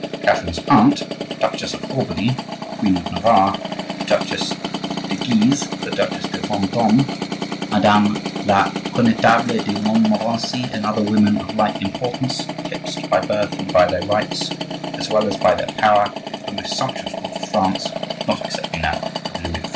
Catherine's aunt the Duchess of Albany, the Queen of Navarre, the Duchesse de Guise, the Duchesse de Vendome, Madame la Connetable de Montmorency, and other women of like importance, eclipsed by birth and by their rights, as well as by their power at the most sumptuous court of France (not excepting that of Louis XIV.)